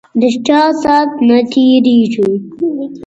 ده چا سات نه تیریږی